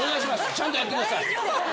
ちゃんとやってください。